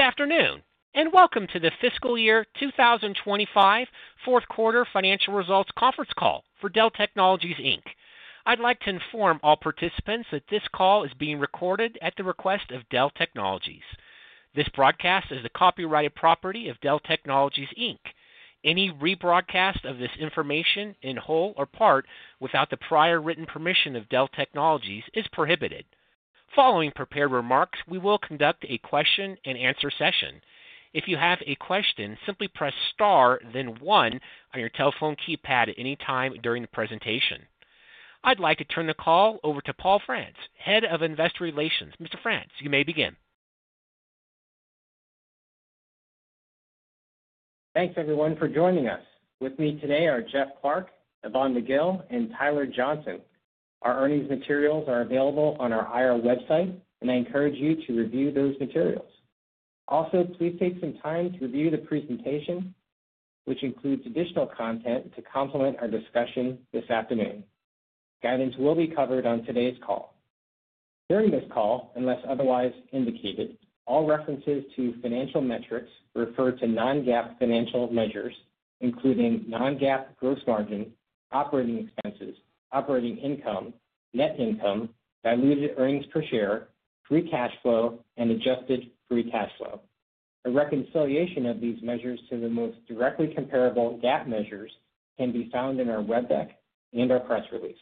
Good afternoon, and welcome to the fiscal year 2025 fourth quarter financial results conference call for Dell Technologies, Inc. I'd like to inform all participants that this call is being recorded at the request of Dell Technologies. This broadcast is the copyrighted property of Dell Technologies, Inc. Any rebroadcast of this information in whole or part without the prior written permission of Dell Technologies is prohibited. Following prepared remarks, we will conduct a question-and-answer session. If you have a question, simply press star, then one on your telephone keypad at any time during the presentation. I'd like to turn the call over to Paul Frantz, Head of Investor Relations. Mr. Frantz, you may begin. Thanks, everyone, for joining us. With me today are Jeff Clarke, Yvonne McGill, and Tyler Johnson. Our earnings materials are available on our IR website, and I encourage you to review those materials. Also, please take some time to review the presentation, which includes additional content to complement our discussion this afternoon. Guidance will be covered on today's call. During this call, unless otherwise indicated, all references to financial metrics refer to non-GAAP financial measures, including non-GAAP gross margin, operating expenses, operating income, net income, diluted earnings per share, free cash flow, and adjusted free cash flow. A reconciliation of these measures to the most directly comparable GAAP measures can be found in our webcast and our press release.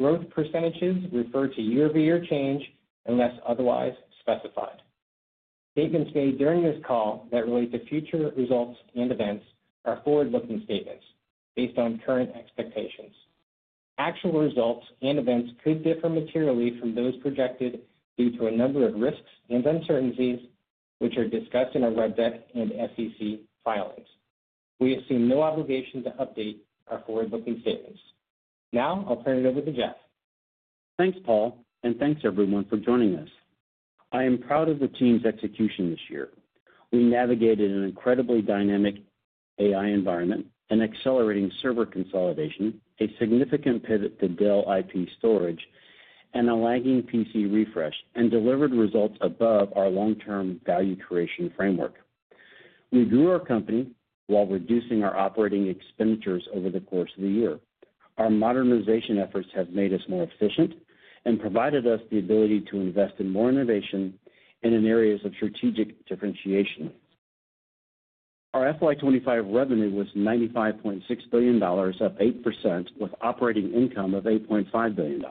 Growth percentages refer to year-over-year change unless otherwise specified. Statements made during this call that relate to future results and events are forward-looking statements based on current expectations. Actual results and events could differ materially from those projected due to a number of risks and uncertainties, which are discussed in our website and SEC filings. We assume no obligation to update our forward-looking statements. Now, I'll turn it over to Jeff. Thanks, Paul, and thanks, everyone, for joining us. I am proud of the team's execution this year. We navigated an incredibly dynamic AI environment, an accelerating server consolidation, a significant pivot to Dell IP storage, and a lagging PC refresh, and delivered results above our long-term value creation framework. We grew our company while reducing our operating expenditures over the course of the year. Our modernization efforts have made us more efficient and provided us the ability to invest in more innovation and in areas of strategic differentiation. Our FY25 revenue was $95.6 billion, up 8%, with operating income of $8.5 billion.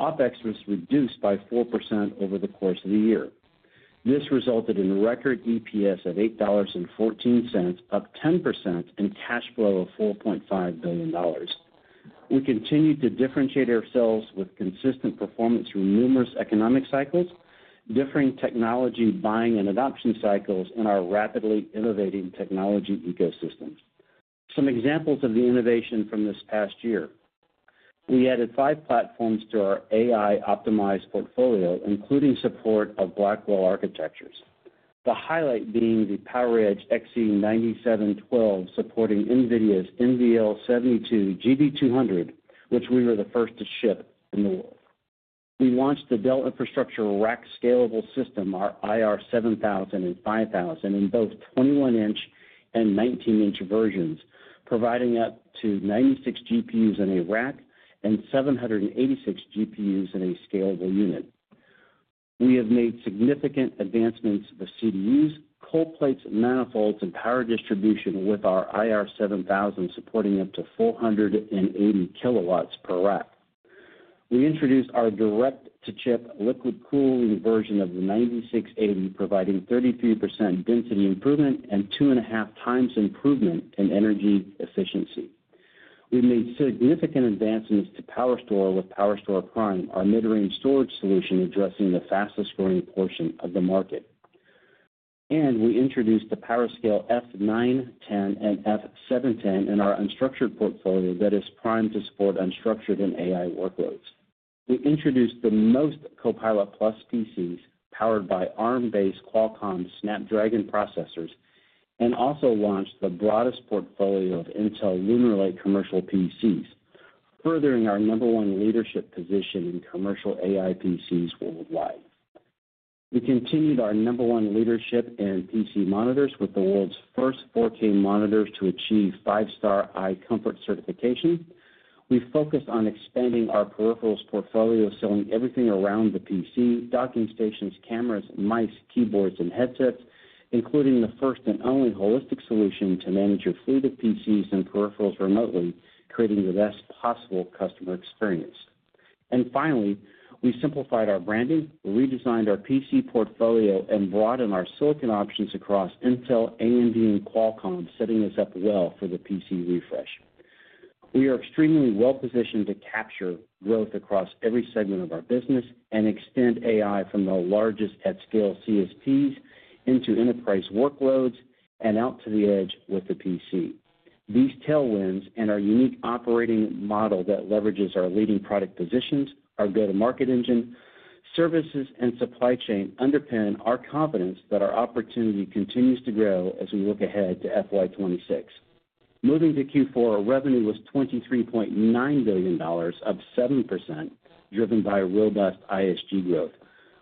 OpEx was reduced by 4% over the course of the year. This resulted in a record EPS of $8.14, up 10%, and cash flow of $4.5 billion. We continue to differentiate ourselves with consistent performance through numerous economic cycles, differing technology buying and adoption cycles, and our rapidly innovating technology ecosystems. Some examples of the innovation from this past year: we added five platforms to our AI-optimized portfolio, including support of Blackwell architectures, the highlight being the PowerEdge Xe9712 supporting NVIDIA's NVL72 GB200, which we were the first to ship in the world. We launched the Dell Infrastructure Rack scalable system, our IR7000 and 5000, in both 21-inch and 19-inch versions, providing up to 96 GPUs in a rack and 786 GPUs in a scalable unit. We have made significant advancements with CDUs, cold plates, manifolds, and power distribution, with our IR7000 supporting up to 480 kilowatts per rack. We introduced our direct-to-chip liquid cooling version of the 9680, providing 33% density improvement and two and a half times improvement in energy efficiency. We made significant advancements to PowerStore with PowerStore Prime, our mid-range storage solution addressing the fastest-growing portion of the market, and we introduced the PowerScale F910 and F710 in our unstructured portfolio that is primed to support unstructured and AI workloads. We introduced the most Copilot+ PCs powered by ARM-based Qualcomm Snapdragon processors and also launched the broadest portfolio of Intel Lunar Lake commercial PCs, furthering our number one leadership position in commercial AI PCs worldwide. We continued our number one leadership in PC monitors with the world's first 4K monitors to achieve five-star Eye Comfort certification. We focused on expanding our peripherals portfolio, selling everything around the PC: docking stations, cameras, mice, keyboards, and headsets, including the first and only holistic solution to manage your fleet of PCs and peripherals remotely, creating the best possible customer experience. And finally, we simplified our branding, redesigned our PC portfolio, and broadened our silicon options across Intel, AMD, and Qualcomm, setting us up well for the PC refresh. We are extremely well-positioned to capture growth across every segment of our business and extend AI from the largest at-scale CSPs into enterprise workloads and out to the edge with the PC. These tailwinds and our unique operating model that leverages our leading product positions, our go-to-market engine, services, and supply chain underpin our confidence that our opportunity continues to grow as we look ahead to FY26. Moving to Q4, our revenue was $23.9 billion, up 7%, driven by robust ISG growth.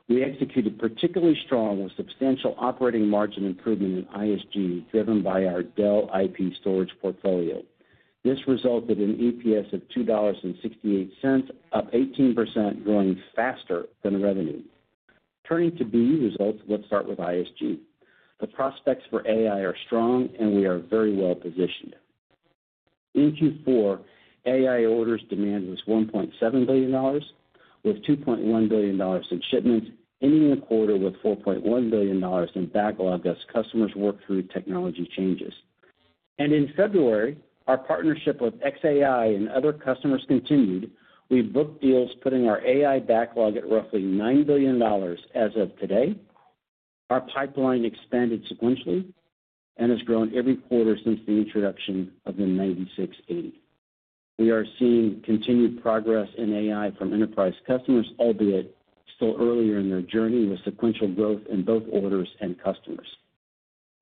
We executed particularly strong with substantial operating margin improvement in ISG driven by our Dell IP storage portfolio. This resulted in an EPS of $2.68, up 18%, growing faster than revenue. Turning to business results, let's start with ISG. The prospects for AI are strong, and we are very well-positioned. In Q4, AI orders demand was $1.7 billion, with $2.1 billion in shipments, ending the quarter with $4.1 billion in backlog as customers work through technology changes. And in February, our partnership with xAI and other customers continued. We booked deals, putting our AI backlog at roughly $9 billion as of today. Our pipeline expanded sequentially and has grown every quarter since the introduction of the 9680. We are seeing continued progress in AI from enterprise customers, albeit still earlier in their journey with sequential growth in both orders and customers.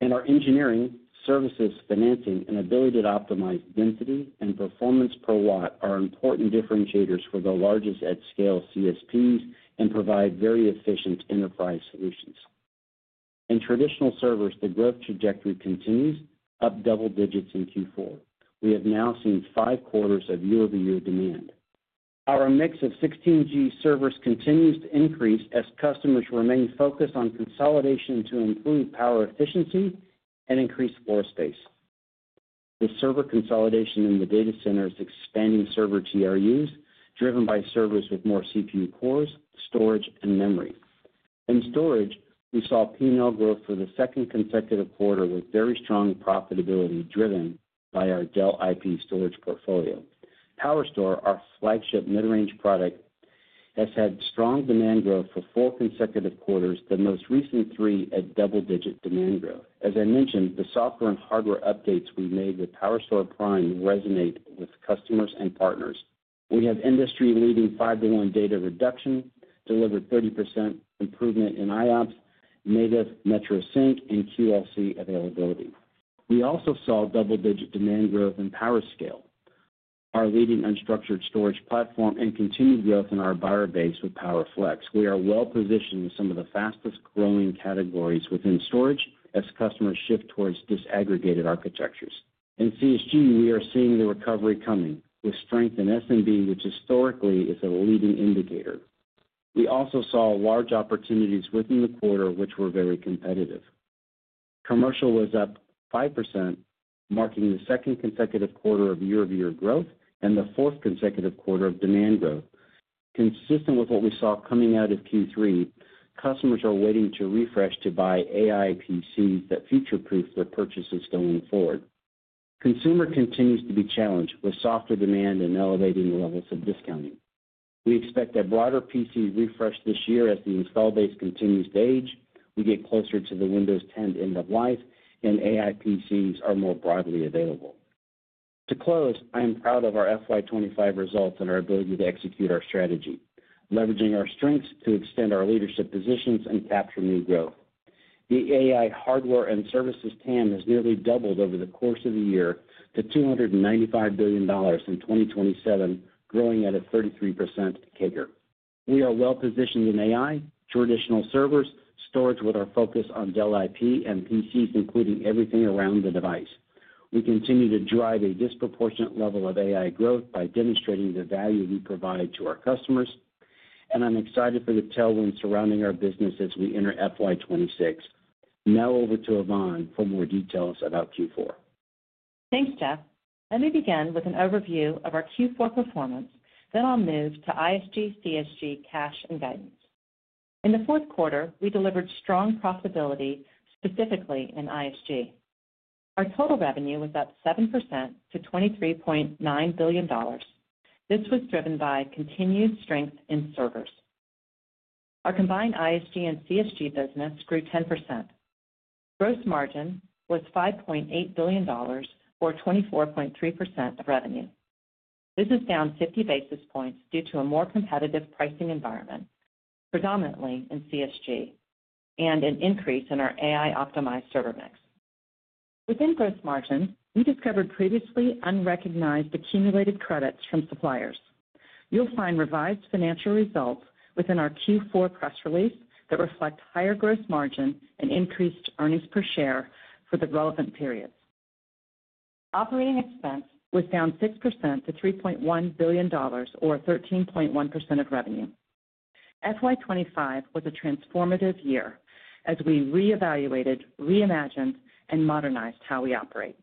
And our engineering, services, financing, and ability to optimize density and performance per watt are important differentiators for the largest at-scale CSPs and provide very efficient enterprise solutions. In traditional servers, the growth trajectory continues, up double digits in Q4. We have now seen five quarters of year-over-year demand. Our mix of 16G servers continues to increase as customers remain focused on consolidation to improve power efficiency and increase floor space. The server consolidation in the data center is expanding server AURs, driven by servers with more CPU cores, storage, and memory. In storage, we saw P&L growth for the second consecutive quarter with very strong profitability driven by our Dell IP storage portfolio. PowerStore, our flagship mid-range product, has had strong demand growth for four consecutive quarters, the most recent three at double-digit demand growth. As I mentioned, the software and hardware updates we made with PowerStore Prime resonate with customers and partners. We have industry-leading 5:1 data reduction, delivered 30% improvement in IOPS, native MetroSync, and QLC availability. We also saw double-digit demand growth in PowerScale, our leading unstructured storage platform, and continued growth in our buyer base with PowerFlex. We are well-positioned in some of the fastest-growing categories within storage as customers shift towards disaggregated architectures. In CSG, we are seeing the recovery coming with strength in SMB, which historically is a leading indicator. We also saw large opportunities within the quarter, which were very competitive. Commercial was up 5%, marking the second consecutive quarter of year-over-year growth and the fourth consecutive quarter of demand growth. Consistent with what we saw coming out of Q3, customers are waiting to refresh to buy AI PCs that future-proof their purchases going forward. Consumer continues to be challenged with software demand and elevating levels of discounting. We expect a broader PC refresh this year as the install base continues to age, we get closer to the Windows 10 end of life, and AI PCs are more broadly available. To close, I am proud of our FY25 results and our ability to execute our strategy, leveraging our strengths to extend our leadership positions and capture new growth. The AI hardware and services TAM has nearly doubled over the course of the year to $295 billion in 2027, growing at a 33% figure. We are well-positioned in AI, traditional servers, storage with our focus on Dell IP and PCs, including everything around the device. We continue to drive a disproportionate level of AI growth by demonstrating the value we provide to our customers, and I'm excited for the tailwinds surrounding our business as we enter FY26. Now over to Yvonne for more details about Q4. Thanks, Jeff. Let me begin with an overview of our Q4 performance, then I'll move to ISG, CSG, cash, and guidance. In the fourth quarter, we delivered strong profitability, specifically in ISG. Our total revenue was up 7% to $23.9 billion. This was driven by continued strength in servers. Our combined ISG and CSG business grew 10%. Gross margin was $5.8 billion, or 24.3% of revenue. This is down 50 basis points due to a more competitive pricing environment, predominantly in CSG, and an increase in our AI-optimized server mix. Within gross margin, we discovered previously unrecognized accumulated credits from suppliers. You'll find revised financial results within our Q4 press release that reflect higher gross margin and increased earnings per share for the relevant periods. Operating expense was down 6% to $3.1 billion, or 13.1% of revenue. FY25 was a transformative year as we reevaluated, reimagined, and modernized how we operate.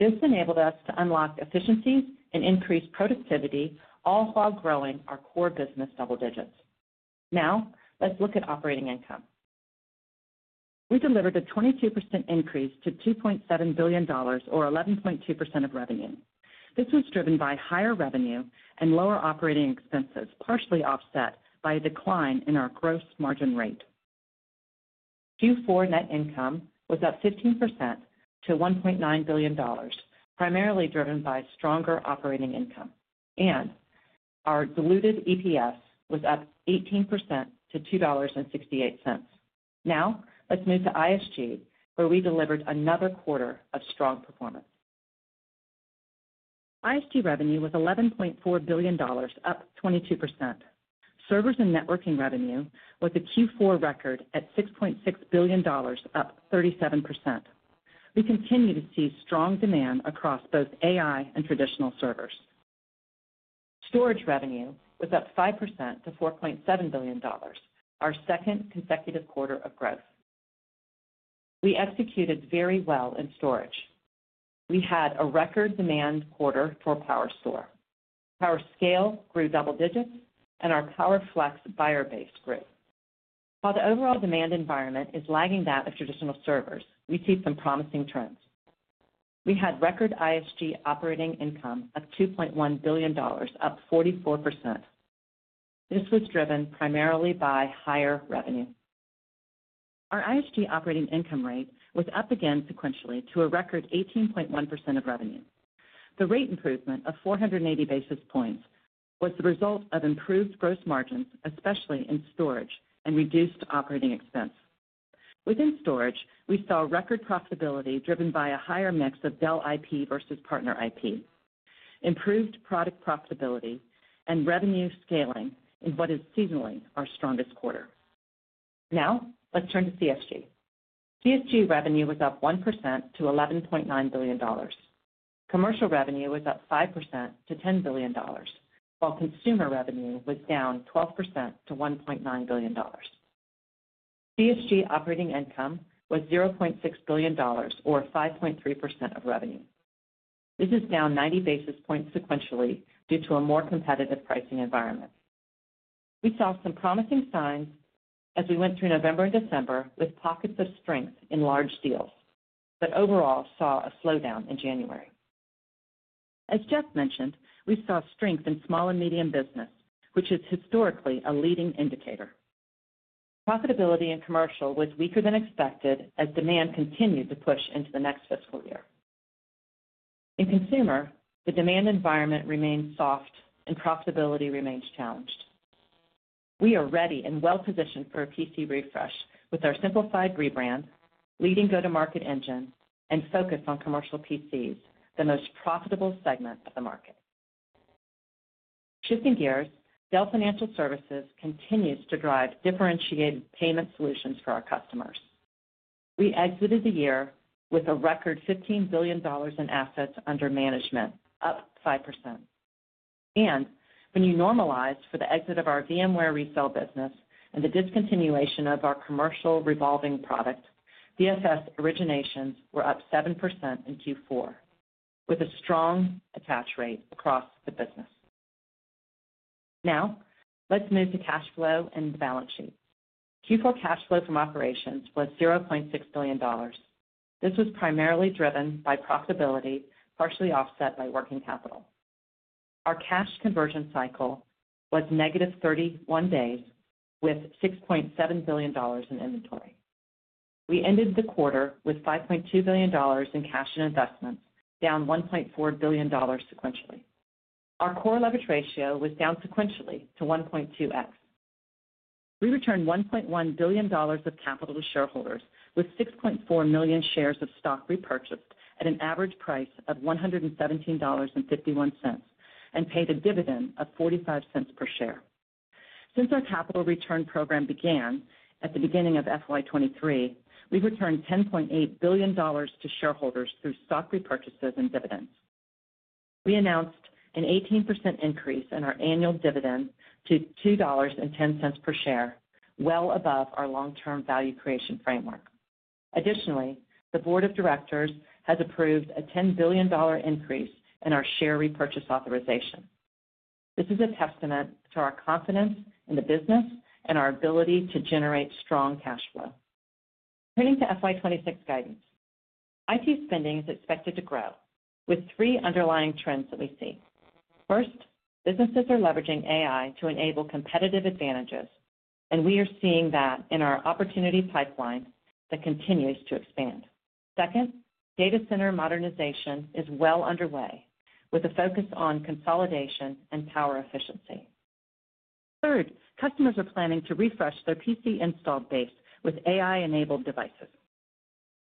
This enabled us to unlock efficiencies and increase productivity, all while growing our core business double digits. Now, let's look at operating income. We delivered a 22% increase to $2.7 billion, or 11.2% of revenue. This was driven by higher revenue and lower operating expenses, partially offset by a decline in our gross margin rate. Q4 net income was up 15% to $1.9 billion, primarily driven by stronger operating income, and our diluted EPS was up 18% to $2.68. Now, let's move to ISG, where we delivered another quarter of strong performance. ISG revenue was $11.4 billion, up 22%. Servers and networking revenue was a Q4 record at $6.6 billion, up 37%. We continue to see strong demand across both AI and traditional servers. Storage revenue was up 5% to $4.7 billion, our second consecutive quarter of growth. We executed very well in storage. We had a record demand quarter for PowerStore. PowerScale grew double digits, and our PowerFlex buyer base grew. While the overall demand environment is lagging that of traditional servers, we see some promising trends. We had record ISG operating income of $2.1 billion, up 44%. This was driven primarily by higher revenue. Our ISG operating income rate was up again sequentially to a record 18.1% of revenue. The rate improvement of 480 basis points was the result of improved gross margins, especially in storage, and reduced operating expense. Within storage, we saw record profitability driven by a higher mix of Dell IP versus partner IP, improved product profitability, and revenue scaling in what is seasonally our strongest quarter. Now, let's turn to CSG. CSG revenue was up 1% to $11.9 billion. Commercial revenue was up 5% to $10 billion, while consumer revenue was down 12% to $1.9 billion. CSG operating income was $0.6 billion, or 5.3% of revenue. This is down 90 basis points sequentially due to a more competitive pricing environment. We saw some promising signs as we went through November and December with pockets of strength in large deals, but overall saw a slowdown in January. As Jeff mentioned, we saw strength in small and medium business, which is historically a leading indicator. Profitability in commercial was weaker than expected as demand continued to push into the next fiscal year. In consumer, the demand environment remains soft, and profitability remains challenged. We are ready and well-positioned for a PC refresh with our simplified rebrand, leading go-to-market engine, and focus on commercial PCs, the most profitable segment of the market. Shifting gears, Dell Financial Services continues to drive differentiated payment solutions for our customers. We exited the year with a record $15 billion in assets under management, up 5%, and when you normalize for the exit of our VMware resale business and the discontinuation of our commercial revolving product, DFS originations were up 7% in Q4, with a strong attach rate across the business. Now, let's move to cash flow and balance sheets. Q4 cash flow from operations was $0.6 billion. This was primarily driven by profitability, partially offset by working capital. Our cash conversion cycle was negative 31 days with $6.7 billion in inventory. We ended the quarter with $5.2 billion in cash and investments, down $1.4 billion sequentially. Our core leverage ratio was down sequentially to 1.2x. We returned $1.1 billion of capital to shareholders with 6.4 million shares of stock repurchased at an average price of $117.51 and paid a dividend of $0.45 per share. Since our capital return program began at the beginning of FY23, we've returned $10.8 billion to shareholders through stock repurchases and dividends. We announced an 18% increase in our annual dividend to $2.10 per share, well above our long-term value creation framework. Additionally, the board of directors has approved a $10 billion increase in our share repurchase authorization. This is a testament to our confidence in the business and our ability to generate strong cash flow. Turning to FY26 guidance, IT spending is expected to grow with three underlying trends that we see. First, businesses are leveraging AI to enable competitive advantages, and we are seeing that in our opportunity pipeline that continues to expand. Second, data center modernization is well underway with a focus on consolidation and power efficiency. Third, customers are planning to refresh their PC installed base with AI-enabled devices.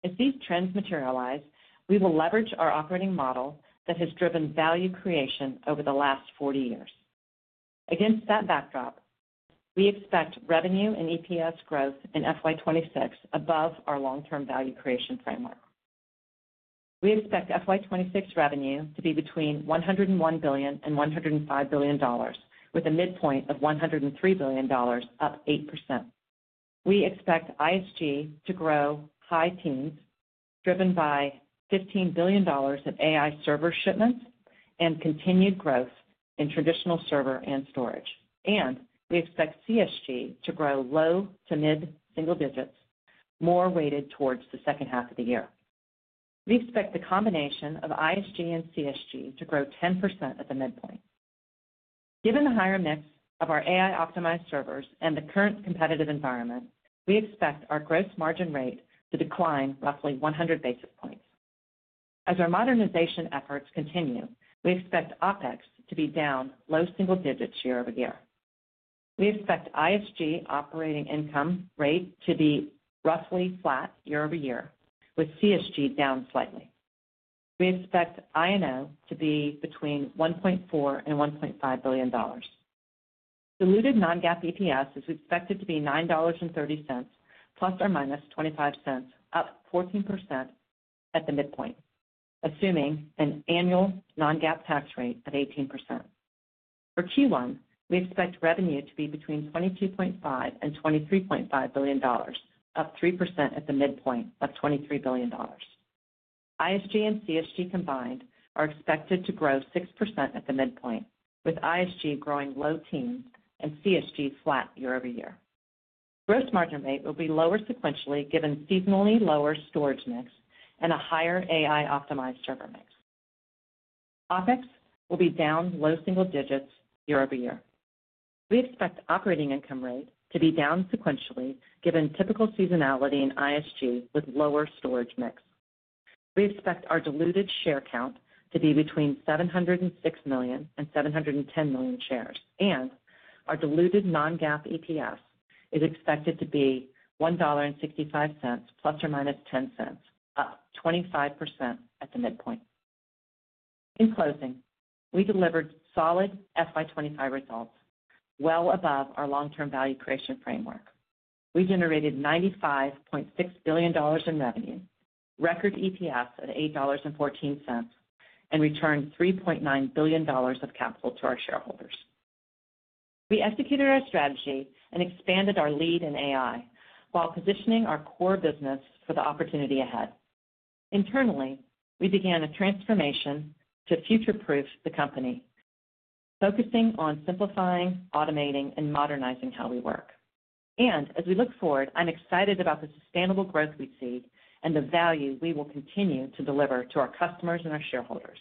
As these trends materialize, we will leverage our operating model that has driven value creation over the last 40 years. Against that backdrop, we expect revenue and EPS growth in FY26 above our long-term value creation framework. We expect FY26 revenue to be between $101 billion and $105 billion, with a midpoint of $103 billion, up 8%. We expect ISG to grow high teens, driven by $15 billion in AI server shipments and continued growth in traditional server and storage. And we expect CSG to grow low to mid single digits, more weighted towards the second half of the year. We expect the combination of ISG and CSG to grow 10% at the midpoint. Given the higher mix of our AI-optimized servers and the current competitive environment, we expect our gross margin rate to decline roughly 100 basis points. As our modernization efforts continue, we expect OpEx to be down low single digits year over year. We expect ISG operating income rate to be roughly flat year over year, with CSG down slightly. We expect I&O to be between $1.4 and $1.5 billion. Diluted non-GAAP EPS is expected to be $9.30 plus or minus $0.25, up 14% at the midpoint, assuming an annual non-GAAP tax rate of 18%. For Q1, we expect revenue to be between $22.5 and $23.5 billion, up 3% at the midpoint of $23 billion. ISG and CSG combined are expected to grow 6% at the midpoint, with ISG growing low teens and CSG flat year over year. Gross margin rate will be lower sequentially given seasonally lower storage mix and a higher AI-optimized server mix. OpEx will be down low single digits year over year. We expect operating income rate to be down sequentially given typical seasonality in ISG with lower storage mix. We expect our diluted share count to be between 706 million and 710 million shares, and our diluted non-GAAP EPS is expected to be $1.65 plus or minus $0.10, up 25% at the midpoint. In closing, we delivered solid FY25 results, well above our long-term value creation framework. We generated $95.6 billion in revenue, record EPS at $8.14, and returned $3.9 billion of capital to our shareholders. We executed our strategy and expanded our lead in AI while positioning our core business for the opportunity ahead. Internally, we began a transformation to future-proof the company, focusing on simplifying, automating, and modernizing how we work. As we look forward, I'm excited about the sustainable growth we see and the value we will continue to deliver to our customers and our shareholders.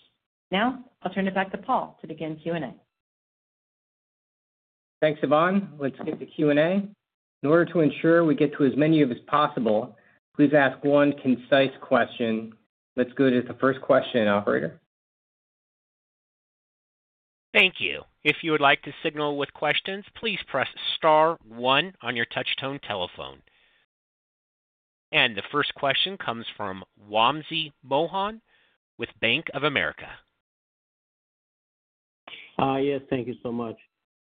Now, I'll turn it back to Paul to begin Q&A. Thanks, Yvonne. Let's get to Q&A. In order to ensure we get to as many of you as possible, please ask one concise question. Let's go to the first question, operator. Thank you. If you would like to signal with questions, please press star one on your touchtone telephone, and the first question comes from Wamsi Mohan with Bank of America. Yes, thank you so much.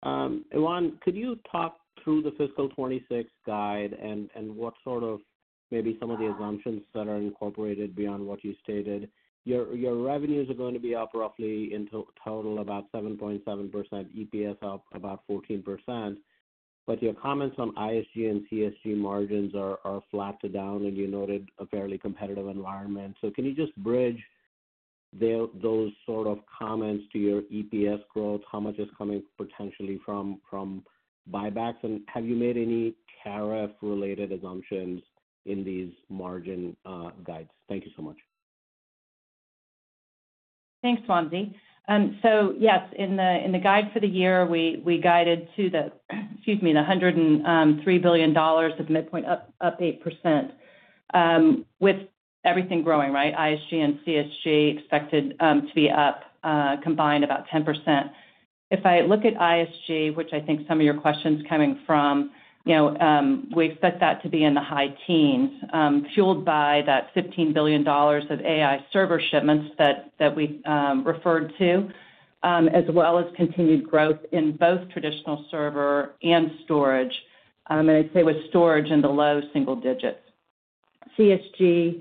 Yvonne, could you talk through the fiscal 2026 guide and what sort of maybe some of the assumptions that are incorporated beyond what you stated? Your revenues are going to be up roughly in total about 7.7%, EPS up about 14%, but your comments on ISG and CSG margins are flat to down, and you noted a fairly competitive environment. So can you just bridge those sort of comments to your EPS growth? How much is coming potentially from buybacks? And have you made any tariff-related assumptions in these margin guides? Thank you so much. Thanks, Wamsi. So yes, in the guide for the year, we guided to the, excuse me, the $103 billion midpoint up 8%. With everything growing, right, ISG and CSG expected to be up combined about 10%. If I look at ISG, which I think some of your questions are coming from, we expect that to be in the high teens, fueled by that $15 billion of AI server shipments that we referred to, as well as continued growth in both traditional server and storage. And I'd say with storage in the low single digits. CSG,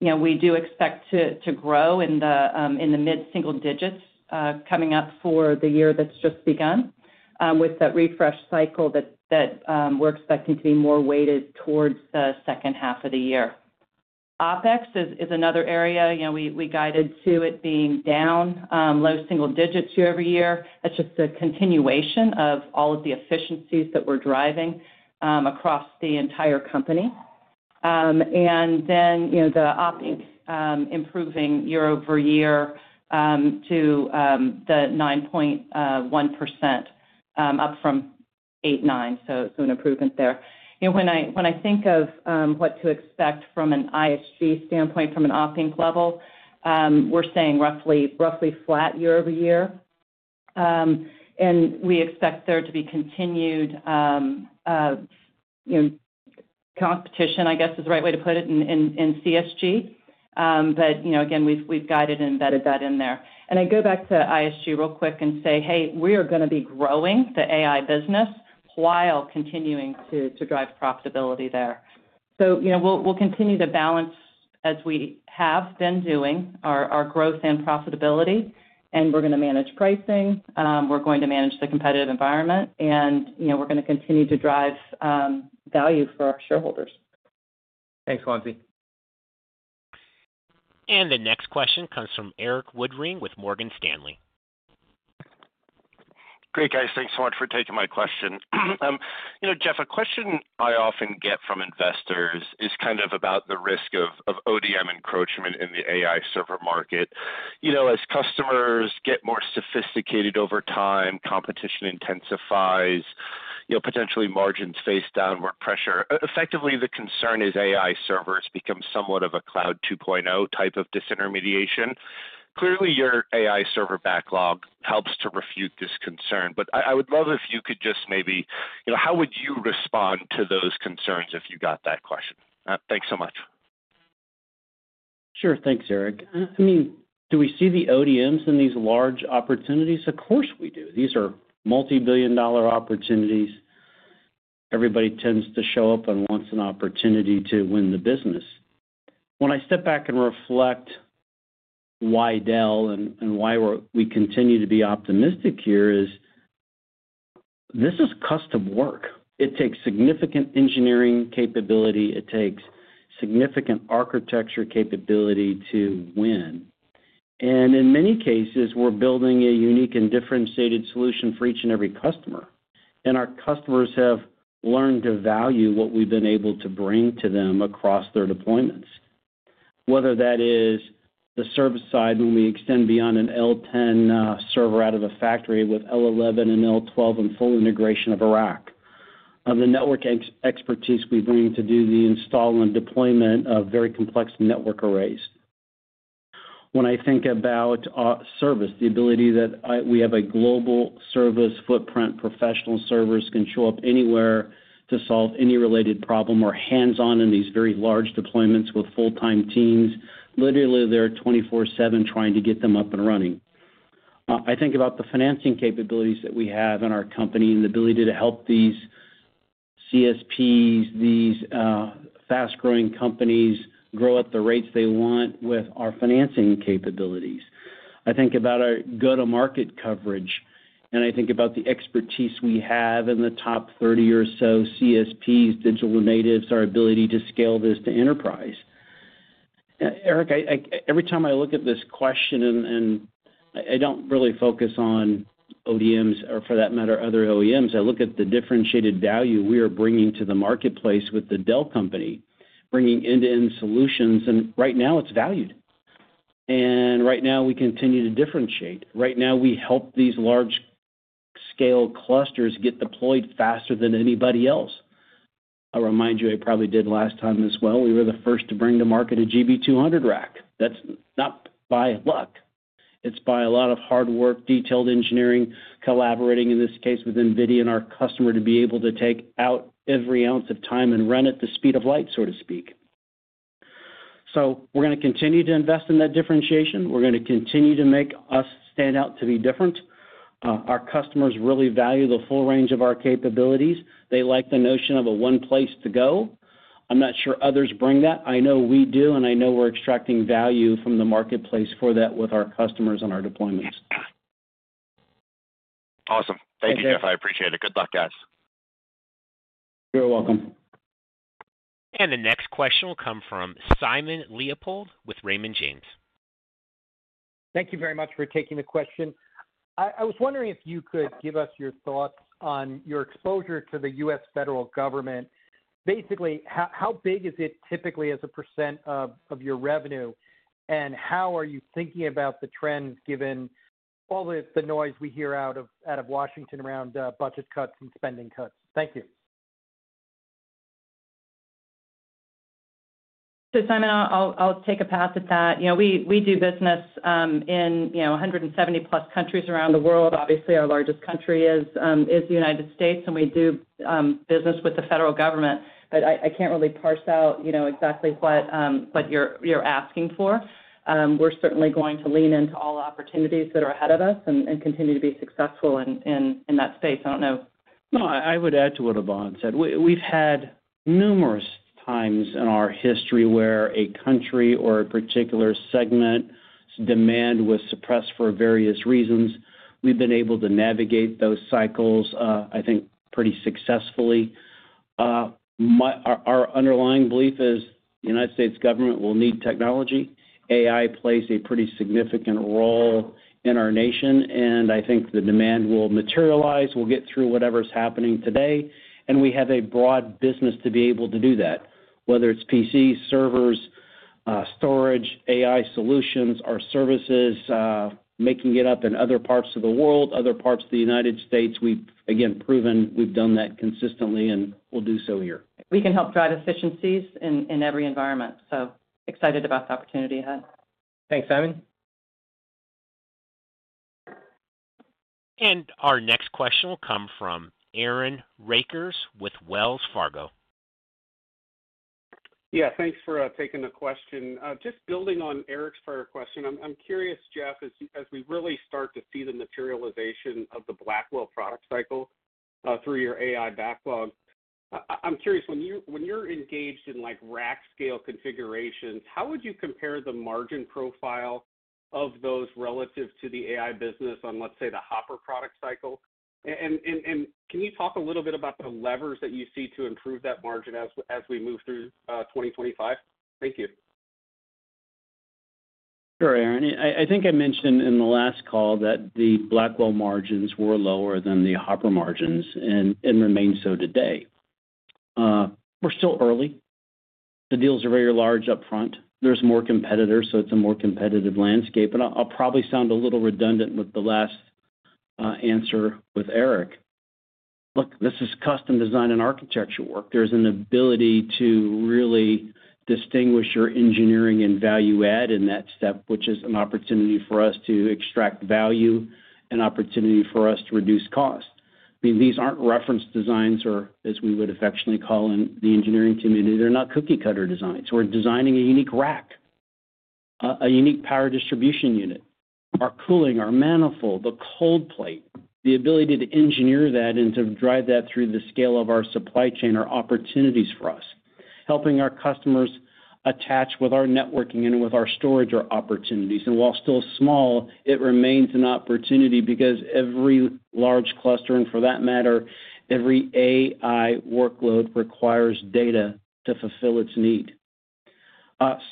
we do expect to grow in the mid single digits coming up for the year that's just begun, with that refresh cycle that we're expecting to be more weighted towards the second half of the year. OpEx is another area we guided to it being down low single digits year over year. That's just a continuation of all of the efficiencies that we're driving across the entire company. And then the OpInc improving year over year to the 9.1%, up from 8.9%, so an improvement there. When I think of what to expect from an ISG standpoint, from an OpInc level, we're saying roughly flat year over year. And we expect there to be continued competition, I guess is the right way to put it, in CSG. But again, we've guided and embedded that in there. And I go back to ISG real quick and say, "Hey, we are going to be growing the AI business while continuing to drive profitability there." So we'll continue to balance as we have been doing our growth and profitability, and we're going to manage pricing, we're going to manage the competitive environment, and we're going to continue to drive value for our shareholders. Thanks, Wamsi. The next question comes from Erik Woodring with Morgan Stanley. Great, guys. Thanks so much for taking my question. Jeff, a question I often get from investors is kind of about the risk of ODM encroachment in the AI server market. As customers get more sophisticated over time, competition intensifies, potentially margins face downward pressure. Effectively, the concern is AI servers become somewhat of a Cloud 2.0 type of disintermediation. Clearly, your AI server backlog helps to refute this concern, but I would love if you could just maybe, how would you respond to those concerns if you got that question? Thanks so much. Sure. Thanks, Erik. I mean, do we see the ODMs in these large opportunities? Of course we do. These are multi-billion-dollar opportunities. Everybody tends to show up and wants an opportunity to win the business. When I step back and reflect why Dell and why we continue to be optimistic here is this is custom work. It takes significant engineering capability. It takes significant architecture capability to win. And in many cases, we're building a unique and differentiated solution for each and every customer. And our customers have learned to value what we've been able to bring to them across their deployments, whether that is the service side when we extend beyond an L10 server out of the factory with L11 and L12 and full integration of a rack, the network expertise we bring to do the install and deployment of very complex network arrays. When I think about service, the ability that we have a global service footprint. Professional services can show up anywhere to solve any related problem or hands-on in these very large deployments with full-time teams, literally there 24/7 trying to get them up and running. I think about the financing capabilities that we have in our company and the ability to help these CSPs, these fast-growing companies grow at the rates they want with our financing capabilities. I think about our go-to-market coverage, and I think about the expertise we have in the top 30 or so CSPs, digital natives, our ability to scale this to enterprise. Eric, every time I look at this question and I don't really focus on ODMs or, for that matter, other OEMs, I look at the differentiated value we are bringing to the marketplace with the Dell company, bringing end-to-end solutions, and right now it's valued, and right now we continue to differentiate. Right now we help these large-scale clusters get deployed faster than anybody else. I'll remind you, I probably did last time as well. We were the first to bring to market a GB200 rack. That's not by luck. It's by a lot of hard work, detailed engineering, collaborating in this case with NVIDIA and our customer to be able to take out every ounce of time and run at the speed of light, so to speak, so we're going to continue to invest in that differentiation. We're going to continue to make us stand out to be different. Our customers really value the full range of our capabilities. They like the notion of a one place to go. I'm not sure others bring that. I know we do, and I know we're extracting value from the marketplace for that with our customers and our deployments. Awesome. Thank you, Jeff. I appreciate it. Good luck, guys. You're welcome. The next question will come from Simon Leopold with Raymond James. Thank you very much for taking the question. I was wondering if you could give us your thoughts on your exposure to the U.S. federal government. Basically, how big is it typically as a % of your revenue, and how are you thinking about the trend given all the noise we hear out of Washington around budget cuts and spending cuts? Thank you. So Simon, I'll take a pass at that. We do business in 170+ countries around the world. Obviously, our largest country is the United States, and we do business with the federal government. But I can't really parse out exactly what you're asking for. We're certainly going to lean into all opportunities that are ahead of us and continue to be successful in that space. I don't know. No, I would add to what Yvonne said. We've had numerous times in our history where a country or a particular segment's demand was suppressed for various reasons. We've been able to navigate those cycles, I think, pretty successfully. Our underlying belief is the United States government will need technology. AI plays a pretty significant role in our nation, and I think the demand will materialize. We'll get through whatever's happening today, and we have a broad business to be able to do that, whether it's PCs, servers, storage, AI solutions, our services, making it up in other parts of the world, other parts of the United States. We've, again, proven we've done that consistently, and we'll do so here. We can help drive efficiencies in every environment. So excited about the opportunity ahead. Thanks, Simon. Our next question will come from Aaron Rakers with Wells Fargo. Yeah, thanks for taking the question. Just building on Eric's prior question, I'm curious, Jeff, as we really start to see the materialization of the Blackwell product cycle through your AI backlog. I'm curious, when you're engaged in rack-scale configurations, how would you compare the margin profile of those relative to the AI business on, let's say, the Hopper product cycle? And can you talk a little bit about the levers that you see to improve that margin as we move through 2025? Thank you. Sure, Aaron. I think I mentioned in the last call that the Blackwell margins were lower than the Hopper margins and remain so today. We're still early. The deals are very large upfront. There's more competitors, so it's a more competitive landscape, and I'll probably sound a little redundant with the last answer with Erik. Look, this is custom design and architecture work. There's an ability to really distinguish your engineering and value add in that step, which is an opportunity for us to extract value and opportunity for us to reduce cost. I mean, these aren't reference designs, or as we would affectionately call in the engineering community, they're not cookie-cutter designs. We're designing a unique rack, a unique power distribution unit, our cooling, our manifold, the cold plate, the ability to engineer that and to drive that through the scale of our supply chain are opportunities for us, helping our customers attach with our networking and with our storage, or opportunities, and while still small, it remains an opportunity because every large cluster, and for that matter, every AI workload requires data to fulfill its need.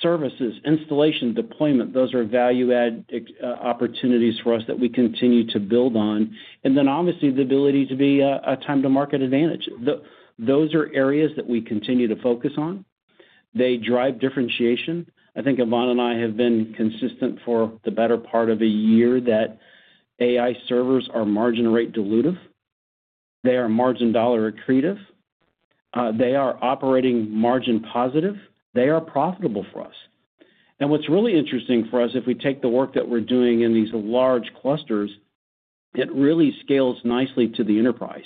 Services, installation, deployment, those are value-add opportunities for us that we continue to build on, and then obviously the ability to be a time-to-market advantage. Those are areas that we continue to focus on. They drive differentiation. I think Yvonne and I have been consistent for the better part of a year that AI servers are margin-rate dilutive. They are margin-dollar accretive. They are operating margin-positive. They are profitable for us. What's really interesting for us, if we take the work that we're doing in these large clusters, it really scales nicely to the enterprise.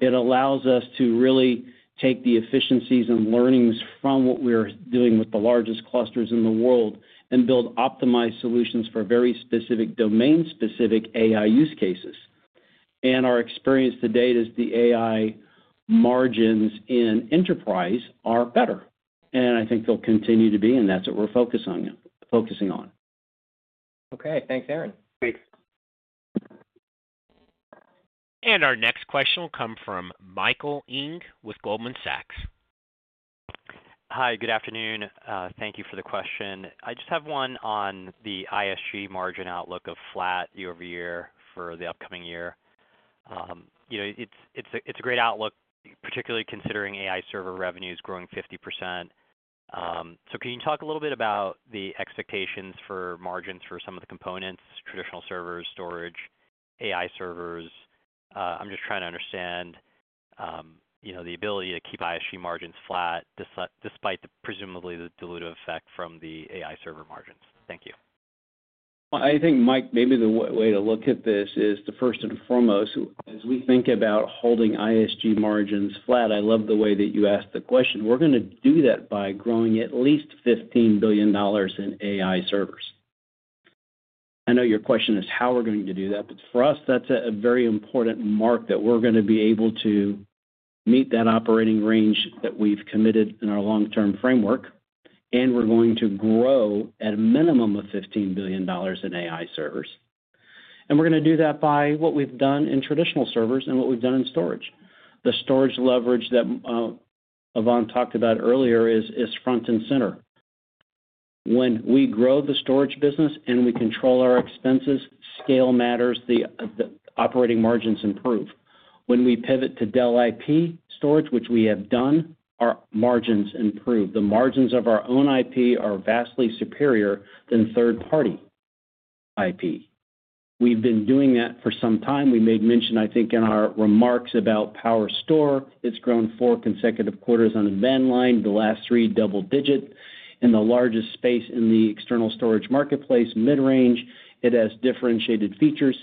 It allows us to really take the efficiencies and learnings from what we're doing with the largest clusters in the world and build optimized solutions for very specific domain-specific AI use cases. Our experience to date is the AI margins in enterprise are better. I think they'll continue to be, and that's what we're focusing on. Okay. Thanks, Aaron. Thanks. Our next question will come from Michael Ng with Goldman Sachs. Hi, good afternoon. Thank you for the question. I just have one on the ISG margin outlook of flat year over year for the upcoming year. It's a great outlook, particularly considering AI server revenues growing 50%. So can you talk a little bit about the expectations for margins for some of the components, traditional servers, storage, AI servers? I'm just trying to understand the ability to keep ISG margins flat despite presumably the dilutive effect from the AI server margins. Thank you. I think, Mike, maybe the way to look at this is, first and foremost, as we think about holding ISG margins flat, I love the way that you asked the question. We're going to do that by growing at least $15 billion in AI servers. I know your question is how we're going to do that, but for us, that's a very important mark that we're going to be able to meet that operating range that we've committed in our long-term framework, and we're going to grow at a minimum of $15 billion in AI servers. We're going to do that by what we've done in traditional servers and what we've done in storage. The storage leverage that Yvonne talked about earlier is front and center. When we grow the storage business and we control our expenses, scale matters, the operating margins improve. When we pivot to Dell IP storage, which we have done, our margins improve. The margins of our own IP are vastly superior than third-party IP. We've been doing that for some time. We made mention, I think, in our remarks about PowerStore. It's grown four consecutive quarters on a band line, the last three double-digit, in the largest space in the external storage marketplace, mid-range. It has differentiated features.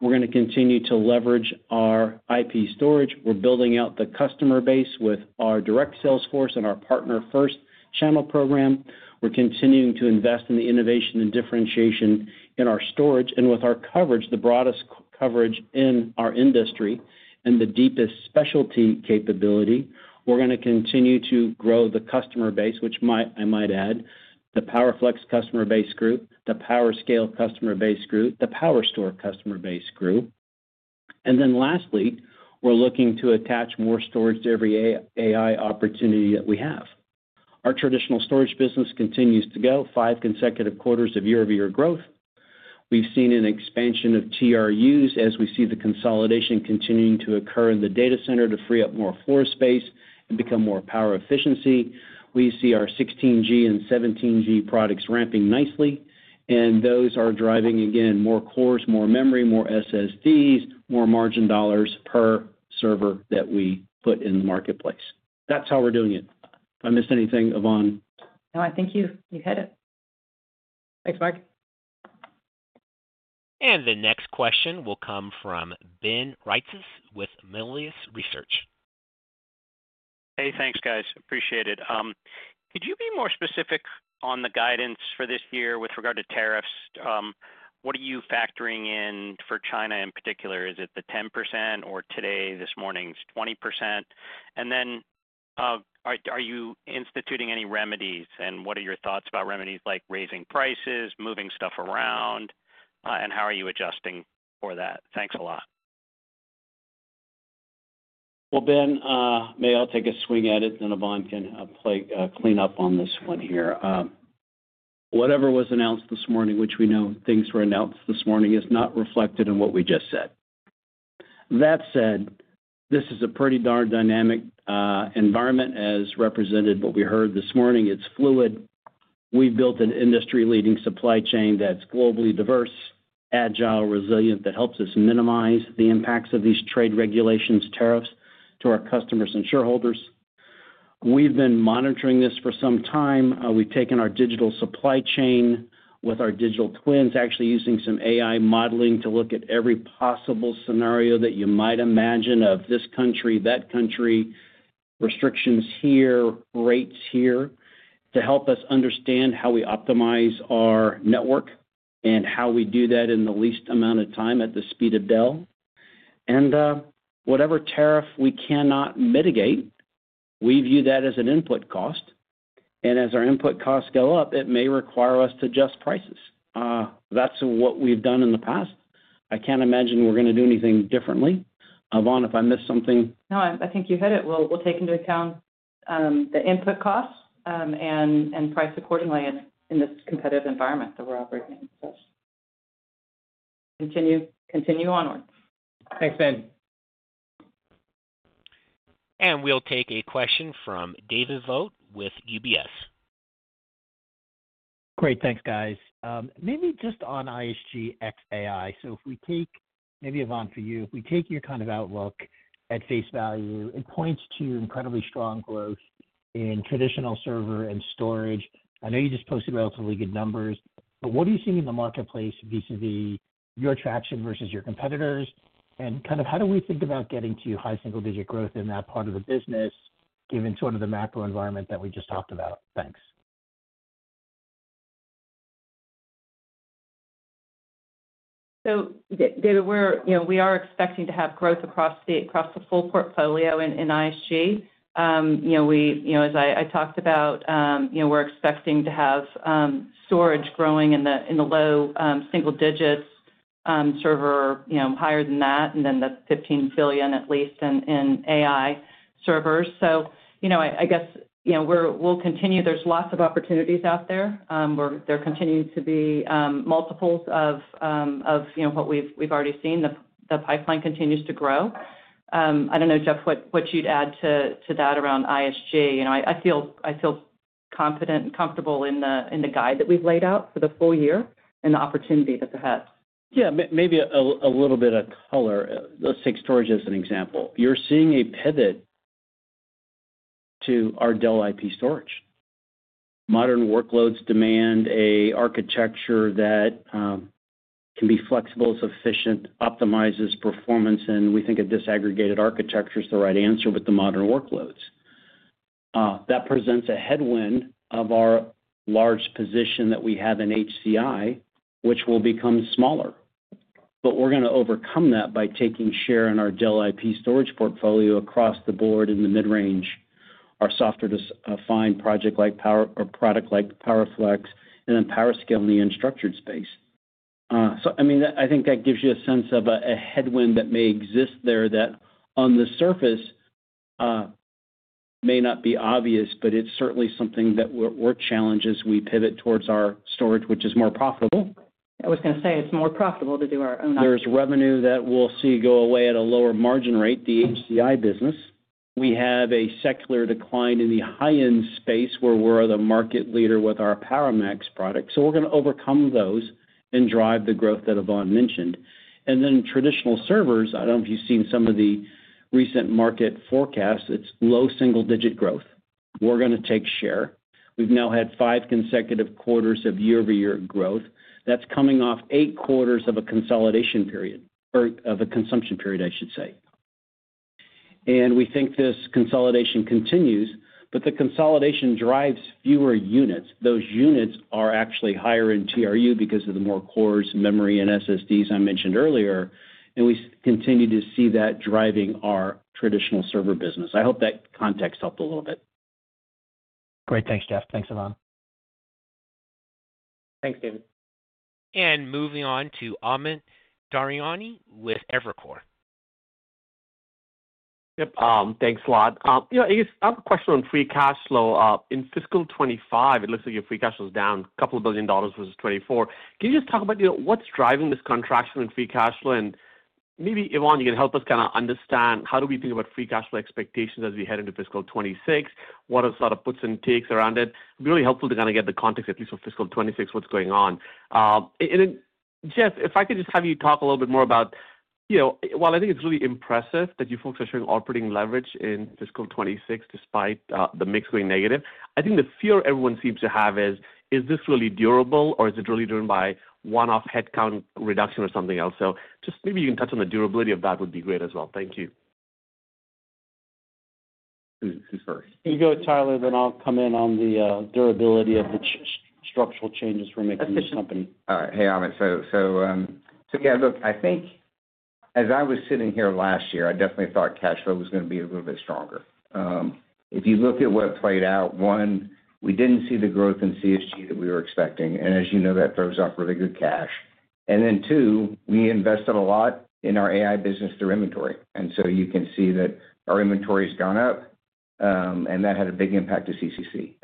We're going to continue to leverage our IP storage. We're building out the customer base with our direct sales force and our partner-first channel program. We're continuing to invest in the innovation and differentiation in our storage and with our coverage, the broadest coverage in our industry and the deepest specialty capability. We're going to continue to grow the customer base, which I might add, the PowerFlex customer base group, the PowerScale customer base group, the PowerStore customer base group. And then lastly, we're looking to attach more storage to every AI opportunity that we have. Our traditional storage business continues to go five consecutive quarters of year-over-year growth. We've seen an expansion of TRUs as we see the consolidation continuing to occur in the data center to free up more floor space and become more power efficiency. We see our 16G and 17G products ramping nicely, and those are driving, again, more cores, more memory, more SSDs, more margin dollars per server that we put in the marketplace. That's how we're doing it. If I missed anything, Yvonne? No, I think you hit it. Thanks, Mike. The next question will come from Ben Reitzes with Melius Research. Hey, thanks, guys. Appreciate it. Could you be more specific on the guidance for this year with regard to tariffs? What are you factoring in for China in particular? Is it the 10% or today, this morning's 20%? And then are you instituting any remedies, and what are your thoughts about remedies like raising prices, moving stuff around, and how are you adjusting for that? Thanks a lot. Ben, may I take a swing at it, and Yvonne can play clean up on this one here? Whatever was announced this morning, which we know things were announced this morning, is not reflected in what we just said. That said, this is a pretty darn dynamic environment, as represented what we heard this morning. It's fluid. We've built an industry-leading supply chain that's globally diverse, agile, resilient, that helps us minimize the impacts of these trade regulations, tariffs to our customers and shareholders. We've been monitoring this for some time. We've taken our digital supply chain with our digital twins, actually using some AI modeling to look at every possible scenario that you might imagine of this country, that country, restrictions here, rates here, to help us understand how we optimize our network and how we do that in the least amount of time at the speed of Dell. And whatever tariff we cannot mitigate, we view that as an input cost. And as our input costs go up, it may require us to adjust prices. That's what we've done in the past. I can't imagine we're going to do anything differently. Yvonne, if I missed something. No, I think you hit it. We'll take into account the input costs and price accordingly in this competitive environment that we're operating in. So continue onward. Thanks, Ben. We'll take a question from David Vogt with UBS. Great. Thanks, guys. Maybe just on ISG xAI. So if we take, maybe, Yvonne, for you, if we take your kind of outlook at face value, it points to incredibly strong growth in traditional server and storage. I know you just posted relatively good numbers, but what are you seeing in the marketplace vis-à-vis your traction versus your competitors? And kind of how do we think about getting to high single-digit growth in that part of the business, given sort of the macro environment that we just talked about? Thanks. So David, we are expecting to have growth across the full portfolio in ISG. As I talked about, we're expecting to have storage growing in the low single-digit server, higher than that, and then the $15 billion at least in AI servers. So I guess we'll continue. There's lots of opportunities out there. There continue to be multiples of what we've already seen. The pipeline continues to grow. I don't know, Jeff, what you'd add to that around ISG. I feel confident and comfortable in the guide that we've laid out for the full year and the opportunity that's ahead. Yeah, maybe a little bit of color. Let's take storage as an example. You're seeing a pivot to our Dell IP storage. Modern workloads demand an architecture that can be flexible, scalable, optimizes performance, and we think a disaggregated architecture is the right answer with the modern workloads. That presents a headwind of our large position that we have in HCI, which will become smaller. But we're going to overcome that by taking share in our Dell IP storage portfolio across the board in the mid-range, our software-defined project-like product like PowerFlex, and then PowerScale in the unstructured space. So I mean, I think that gives you a sense of a headwind that may exist there that, on the surface, may not be obvious, but it's certainly something that we're challenged as we pivot towards our storage, which is more profitable. I was going to say it's more profitable to do our own IP. There's revenue that we'll see go away at a lower margin rate, the HCI business. We have a secular decline in the high-end space where we're the market leader with our PowerMax product. So we're going to overcome those and drive the growth that Yvonne mentioned. And then traditional servers, I don't know if you've seen some of the recent market forecasts, it's low single-digit growth. We're going to take share. We've now had five consecutive quarters of year-over-year growth. That's coming off eight quarters of a consolidation period or of a consumption period, I should say. And we think this consolidation continues, but the consolidation drives fewer units. Those units are actually higher in TRU because of the more cores, memory, and SSDs I mentioned earlier. And we continue to see that driving our traditional server business. I hope that context helped a little bit. Great. Thanks, Jeff. Thanks, Yvonne. Thanks, David. Moving on to Amit Daryanani with Evercore. Yep. Thanks, Lot. I guess I have a question on free cash flow. In fiscal 2025, it looks like your free cash flow is down $2 billion versus 2024. Can you just talk about what's driving this contraction in free cash flow? And maybe, Yvonne, you can help us kind of understand how do we think about free cash flow expectations as we head into fiscal 2026, what are sort of puts and takes around it? It'd be really helpful to kind of get the context, at least for fiscal 2026, what's going on. And Jeff, if I could just have you talk a little bit more about, well, I think it's really impressive that you folks are showing operating leverage in fiscal 2026 despite the mix going negative. I think the fear everyone seems to have is, is this really durable, or is it really driven by one-off headcount reduction or something else? So, just maybe you can touch on the durability of that would be great as well. Thank you. Who's first? You go, Tyler, then I'll come in on the durability of the structural changes we're making in the company. All right. Hey, Amit. So yeah, look, I think as I was sitting here last year, I definitely thought cash flow was going to be a little bit stronger. If you look at what played out, one, we didn't see the growth in CSG that we were expecting. And as you know, that throws off really good cash. And then two, we invested a lot in our AI business through inventory. And so you can see that our inventory has gone up, and that had a big impact to CCC.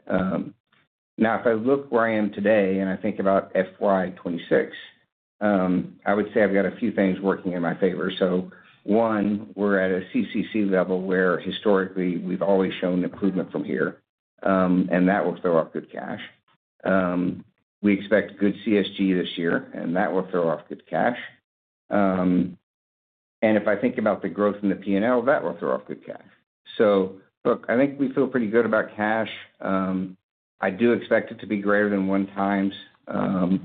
Now, if I look where I am today and I think about FY 2026, I would say I've got a few things working in my favor. So one, we're at a CCC level where historically we've always shown improvement from here, and that will throw off good cash. We expect good CSG this year, and that will throw off good cash. And if I think about the growth in the P&L, that will throw off good cash. So look, I think we feel pretty good about cash. I do expect it to be greater than one times. And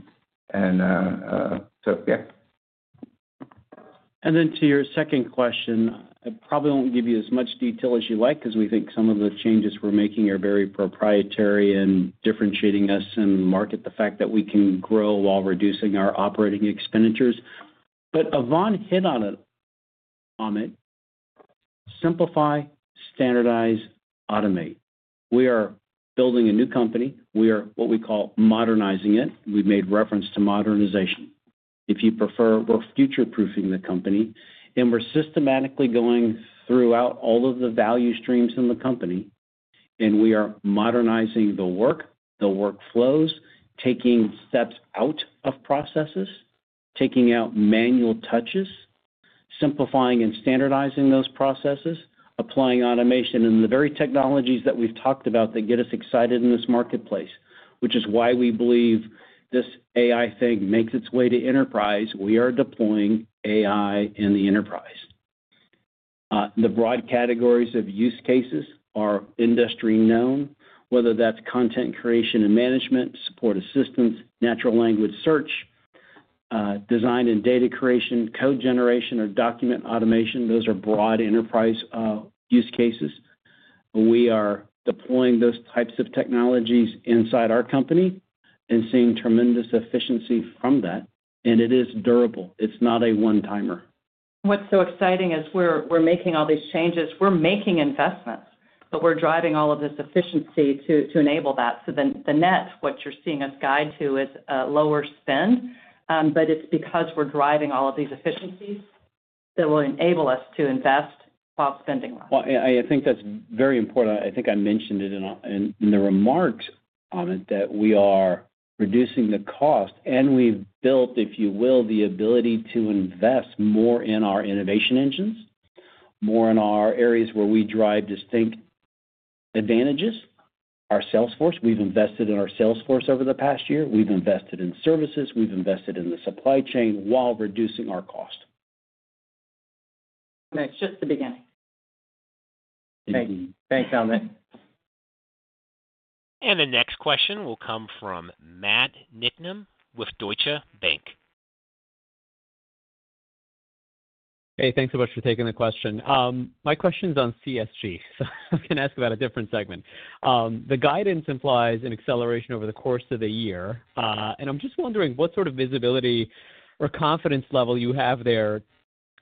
so yeah. And then to your second question, I probably won't give you as much detail as you like because we think some of the changes we're making are very proprietary and differentiating us in the market, the fact that we can grow while reducing our operating expenditures. But Yvonne hit on it, Amit. Simplify, standardize, automate. We are building a new company. We are what we call modernizing it. We made reference to modernization. If you prefer, we're future-proofing the company, and we're systematically going throughout all of the value streams in the company, and we are modernizing the work, the workflows, taking steps out of processes, taking out manual touches, simplifying and standardizing those processes, applying automation and the very technologies that we've talked about that get us excited in this marketplace, which is why we believe this AI thing makes its way to enterprise. We are deploying AI in the enterprise. The broad categories of use cases are industry-known, whether that's content creation and management, support assistance, natural language search, design and data creation, code generation, or document automation. Those are broad enterprise use cases. We are deploying those types of technologies inside our company and seeing tremendous efficiency from that. And it is durable. It's not a one-timer. What's so exciting is we're making all these changes. We're making investments, but we're driving all of this efficiency to enable that. So the net, what you're seeing us guide to is lower spend, but it's because we're driving all of these efficiencies that will enable us to invest while spending less. I think that's very important. I think I mentioned it in the remarks, Amit, that we are reducing the cost, and we've built, if you will, the ability to invest more in our innovation engines, more in our areas where we drive distinct advantages, our sales force. We've invested in our sales force over the past year. We've invested in services. We've invested in the supply chain while reducing our cost. That's just the beginning. Thank you. Thanks, Amit. The next question will come from Matt Niknam with Deutsche Bank. Hey, thanks so much for taking the question. My question's on CSG, so I'm going to ask about a different segment. The guidance implies an acceleration over the course of the year. And I'm just wondering what sort of visibility or confidence level you have there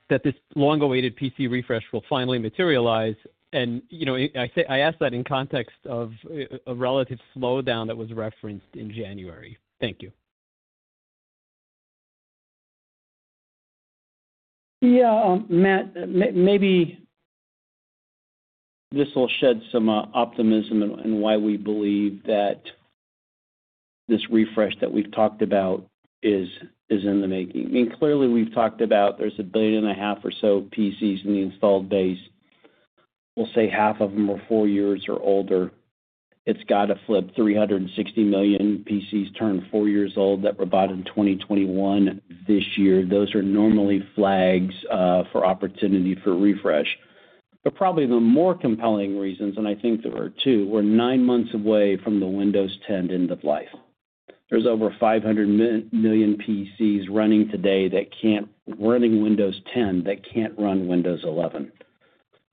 that this long-awaited PC refresh will finally materialize? And I ask that in context of a relative slowdown that was referenced in January. Thank you. Yeah, Matt, maybe this will shed some optimism in why we believe that this refresh that we've talked about is in the making. I mean, clearly, we've talked about there's 1.5 billion or so PCs in the installed base. We'll say half of them are four years or older. It's got to flip. 360 million PCs turned four years old that were bought in 2021 this year. Those are normally flags for opportunity for refresh. But probably the more compelling reasons, and I think there are two, we're nine months away from the Windows 10 end of life. There's over 500 million PCs running today that are running Windows 10 that can't run Windows 11.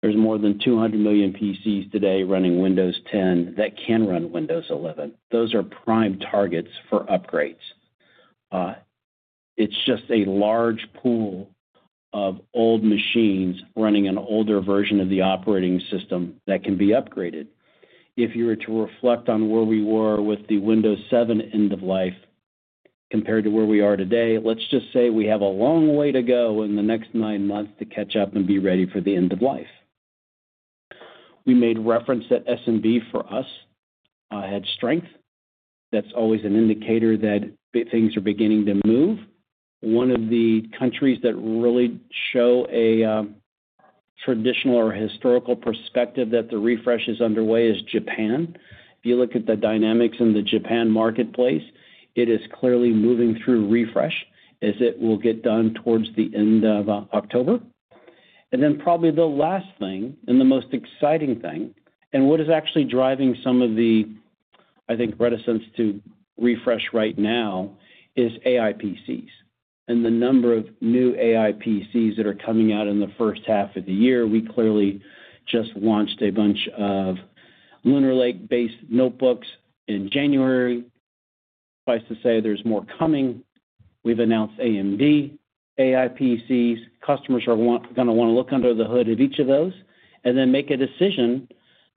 There's more than 200 million PCs today running Windows 10 that can run Windows 11. Those are prime targets for upgrades. It's just a large pool of old machines running an older version of the operating system that can be upgraded. If you were to reflect on where we were with the Windows 7 end of life compared to where we are today, let's just say we have a long way to go in the next nine months to catch up and be ready for the end of life. We made reference that SMB for us had strength. That's always an indicator that things are beginning to move. One of the countries that really show a traditional or historical perspective that the refresh is underway is Japan. If you look at the dynamics in the Japan marketplace, it is clearly moving through refresh as it will get done towards the end of October. And then probably the last thing and the most exciting thing, and what is actually driving some of the, I think, reticence to refresh right now is AI PCs and the number of new AI PCs that are coming out in the first half of the year. We clearly just launched a bunch of Lunar Lake-based notebooks in January. Suffice to say, there's more coming. We've announced AMD AI PCs. Customers are going to want to look under the hood of each of those and then make a decision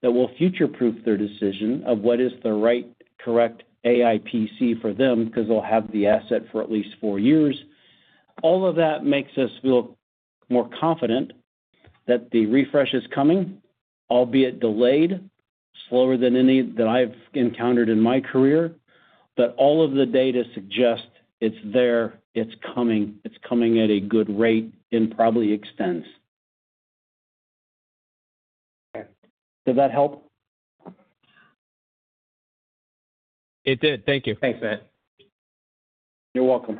that will future-proof their decision of what is the right, correct AI PC for them because they'll have the asset for at least four years. All of that makes us feel more confident that the refresh is coming, albeit delayed, slower than any that I've encountered in my career. But all of the data suggests it's there. It's coming. It's coming at a good rate and probably extends. Okay. Did that help? It did. Thank you. Thanks, Matt. You're welcome.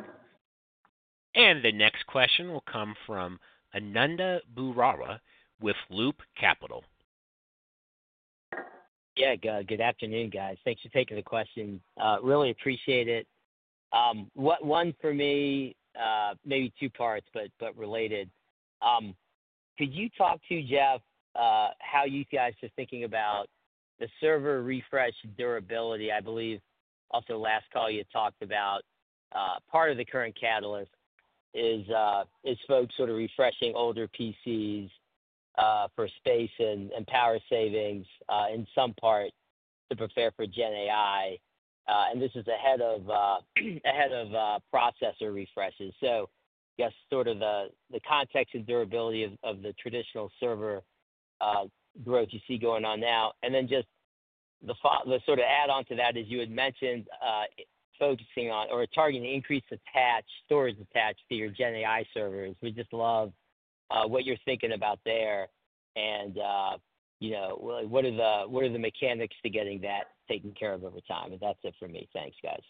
The next question will come from Ananda Baruah with Loop Capital. Yeah, good afternoon, guys. Thanks for taking the question. Really appreciate it. One for me, maybe two parts, but related. Could you talk to Jeff, how you guys are thinking about the server refresh durability? I believe also last call you talked about part of the current catalyst is folks sort of refreshing older PCs for space and power savings in some part to prepare for GenAI. And this is ahead of processor refreshes. So just sort of the context of durability of the traditional server growth you see going on now. And then just the sort of add-on to that is you had mentioned focusing on or targeting increased storage attached to your GenAI servers. We just love what you're thinking about there. And what are the mechanics to getting that taken care of over time? And that's it for me. Thanks, guys.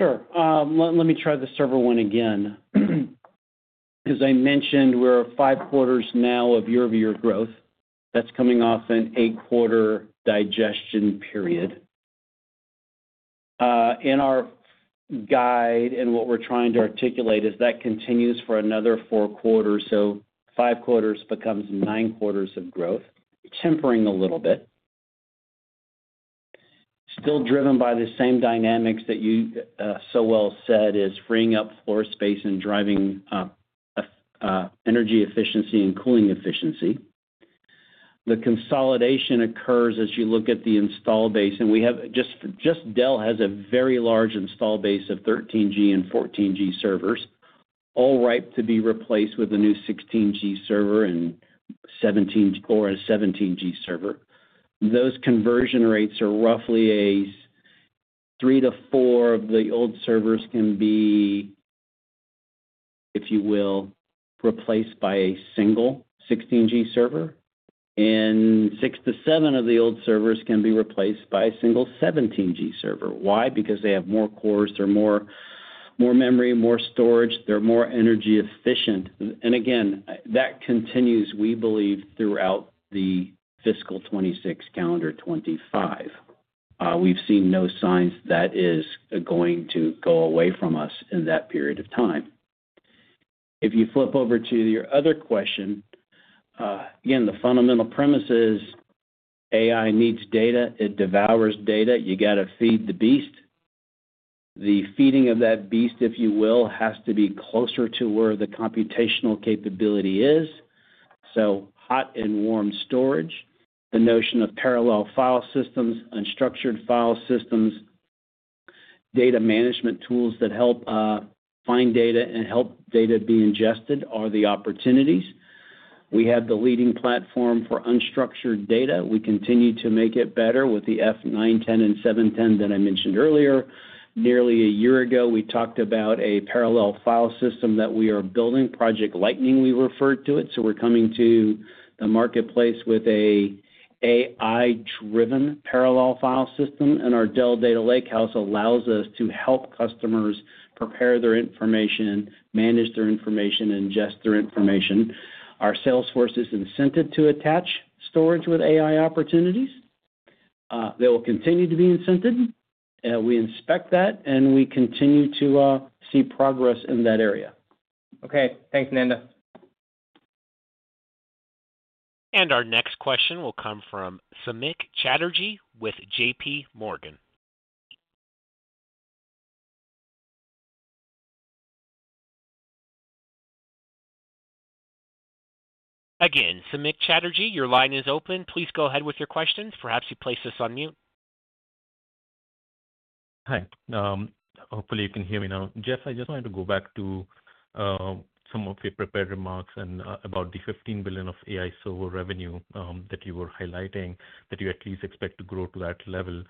Sure. Let me try the server one again. As I mentioned, we're five quarters now of year-over-year growth. That's coming off an eight-quarter digestion period. In our guide and what we're trying to articulate is that continues for another four quarters. So five quarters becomes nine quarters of growth, tempering a little bit. Still driven by the same dynamics that you so well said is freeing up floor space and driving energy efficiency and cooling efficiency. The consolidation occurs as you look at the installed base. And just Dell has a very large installed base of 13G and 14G servers, all ripe to be replaced with a new 16G server and 17G server. Those conversion rates are roughly a three to four of the old servers can be, if you will, replaced by a single 16G server. And six to seven of the old servers can be replaced by a single 17G server. Why? Because they have more cores. They're more memory, more storage. They're more energy efficient. And again, that continues, we believe, throughout the fiscal 2026 calendar 2025. We've seen no signs that is going to go away from us in that period of time. If you flip over to your other question, again, the fundamental premise is AI needs data. It devours data. You got to feed the beast. The feeding of that beast, if you will, has to be closer to where the computational capability is. So hot and warm storage, the notion of parallel file systems, unstructured file systems, data management tools that help find data and help data be ingested are the opportunities. We have the leading platform for unstructured data. We continue to make it better with the F910 and F710 that I mentioned earlier. Nearly a year ago, we talked about a parallel file system that we are building, Project Lightning. We referred to it. So we're coming to the marketplace with an AI-driven parallel file system. And our Dell Data Lakehouse allows us to help customers prepare their information, manage their information, and ingest their information. Our sales force is incented to attach storage with AI opportunities. They will continue to be incented. We expect that, and we continue to see progress in that area. Okay. Thanks, Ananda. And our next question will come from Samik Chatterjee with JPMorgan. Again, Samik Chatterjee, your line is open. Please go ahead with your questions. Perhaps you place us on mute. Hi. Hopefully, you can hear me now. Jeff, I just wanted to go back to some of your prepared remarks about the $15 billion of AI server revenue that you were highlighting, that you at least expect to grow to that level.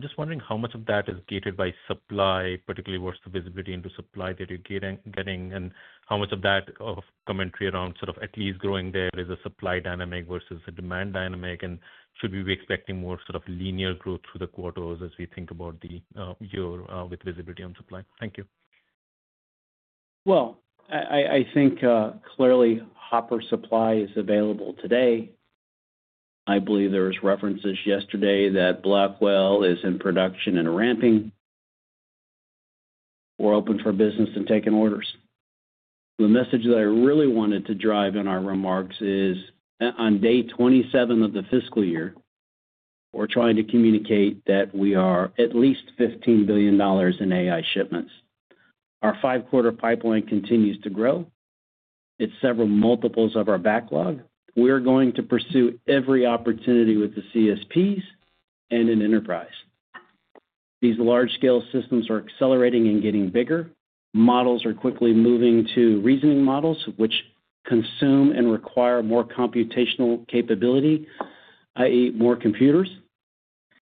Just wondering how much of that is gated by supply, particularly what's the visibility into supply that you're getting, and how much of that commentary around sort of at least growing there is a supply dynamic versus a demand dynamic, and should we be expecting more sort of linear growth through the quarters as we think about the year with visibility on supply? Thank you. I think clearly Hopper supply is available today. I believe there were references yesterday that Blackwell is in production and ramping or open for business and taking orders. The message that I really wanted to drive in our remarks is on day 27 of the fiscal year, we're trying to communicate that we are at least $15 billion in AI shipments. Our five-quarter pipeline continues to grow. It's several multiples of our backlog. We're going to pursue every opportunity with the CSPs and in enterprise. These large-scale systems are accelerating and getting bigger. Models are quickly moving to reasoning models, which consume and require more computational capability, i.e., more computers.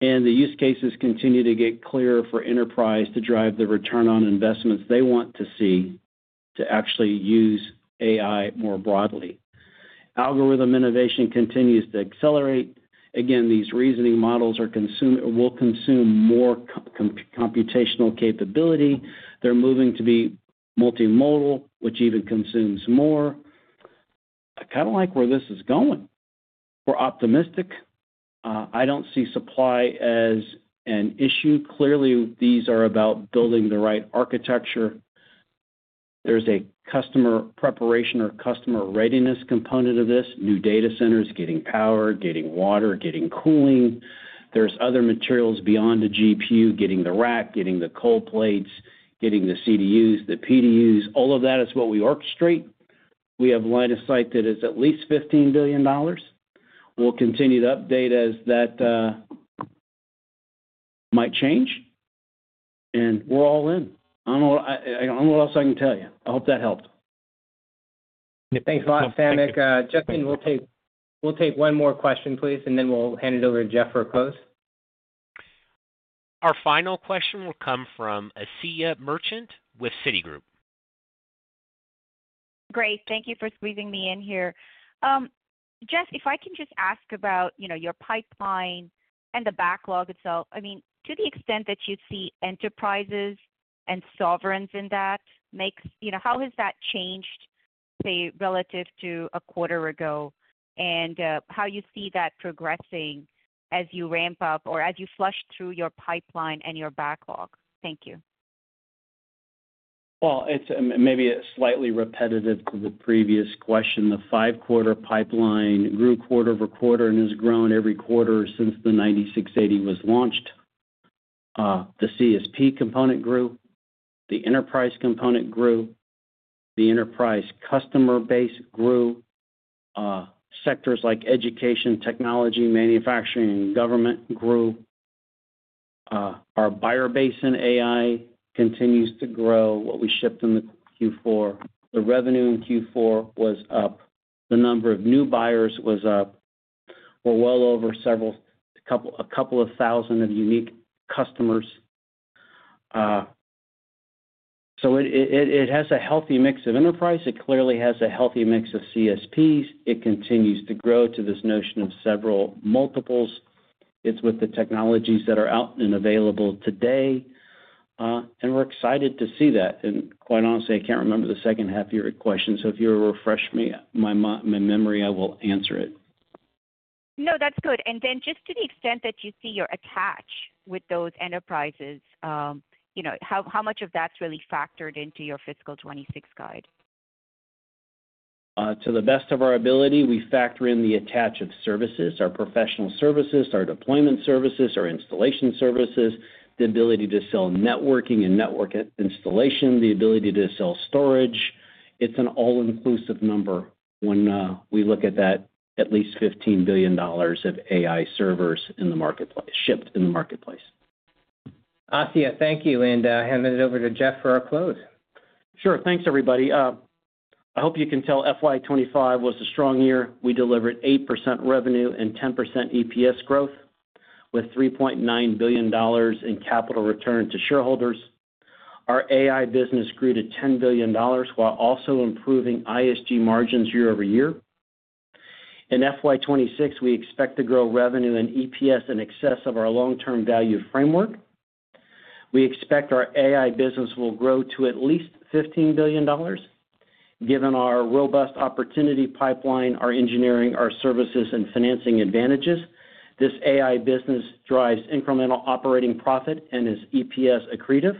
And the use cases continue to get clearer for enterprise to drive the return on investments they want to see to actually use AI more broadly. Algorithm innovation continues to accelerate. Again, these reasoning models will consume more computational capability. They're moving to be multimodal, which even consumes more. I kind of like where this is going. We're optimistic. I don't see supply as an issue. Clearly, these are about building the right architecture. There's a customer preparation or customer readiness component of this. New data centers getting power, getting water, getting cooling. There's other materials beyond the GPU, getting the rack, getting the cold plates, getting the CDUs, the PDUs. All of that is what we orchestrate. We have line of sight that is at least $15 billion. We'll continue to update as that might change, and we're all in. I don't know what else I can tell you. I hope that helped. Thanks a lot, Samik. Justin, we'll take one more question, please, and then we'll hand it over to Jeff for a close. Our final question will come from Asiya Merchant with Citigroup. Great. Thank you for squeezing me in here. Jeff, if I can just ask about your pipeline and the backlog itself. I mean, to the extent that you see enterprises and sovereigns in that, how has that changed, say, relative to a quarter ago, and how you see that progressing as you ramp up or as you flush through your pipeline and your backlog? Thank you. It's maybe slightly repetitive to the previous question. The five-quarter pipeline grew quarter over quarter and has grown every quarter since the 9680 was launched. The CSP component grew. The enterprise component grew. The enterprise customer base grew. Sectors like education, technology, manufacturing, and government grew. Our buyer base in AI continues to grow. What we shipped in the Q4, the revenue in Q4 was up. The number of new buyers was up. We're well over a couple of thousand of unique customers. So it has a healthy mix of enterprise. It clearly has a healthy mix of CSPs. It continues to grow to this notion of several multiples. It's with the technologies that are out and available today. We're excited to see that. And quite honestly, I can't remember the second half of your question. If you refresh my memory, I will answer it. No, that's good and then just to the extent that you see your attach with those enterprises, how much of that's really factored into your fiscal 2026 guide? To the best of our ability, we factor in the attach of services, our professional services, our deployment services, our installation services, the ability to sell networking and network installation, the ability to sell storage. It's an all-inclusive number when we look at that, at least $15 billion of AI servers shipped in the marketplace. Asiya, thank you. And I'll hand it over to Jeff for our close. Sure. Thanks, everybody. I hope you can tell FY25 was a strong year. We delivered 8% revenue and 10% EPS growth with $3.9 billion in capital return to shareholders. Our AI business grew to $10 billion while also improving ISG margins year over year. In FY26, we expect to grow revenue and EPS in excess of our long-term value framework. We expect our AI business will grow to at least $15 billion. Given our robust opportunity pipeline, our engineering, our services, and financing advantages, this AI business drives incremental operating profit and is EPS accretive.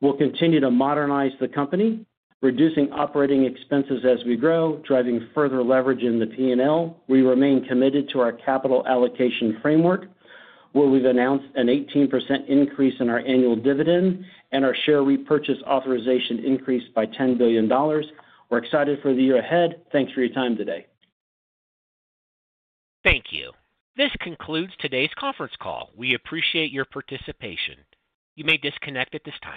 We'll continue to modernize the company, reducing operating expenses as we grow, driving further leverage in the P&L. We remain committed to our capital allocation framework, where we've announced an 18% increase in our annual dividend and our share repurchase authorization increased by $10 billion. We're excited for the year ahead. Thanks for your time today. Thank you. This concludes today's conference call. We appreciate your participation. You may disconnect at this time.